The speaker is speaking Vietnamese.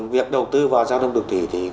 việc đầu tư vào giao thông đường thủy